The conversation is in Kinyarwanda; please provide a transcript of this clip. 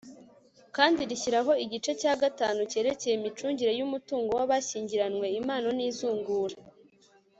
kandi rishyiraho igice cya gatanu cyerekeye imicungire y'umutungo w'abashyingiranywe impano n'izungura